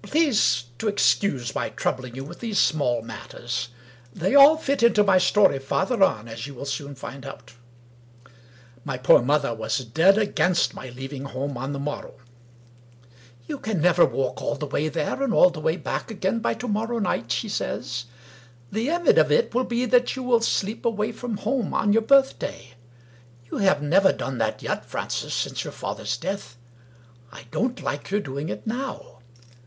Please to excuse my troubling you with these small matters. They all fit into my story farther on, as you will soon find out. My poor mother was dead against my leaving home on the morrow. 224 Wilkie Collins " You can never walk all the way there and all the way back again by to morrow night," she says. " The end of it will be that you will sleep away from home on your birthday. You have never done that yet, Francis, since your father's death, I don't like your doing it now.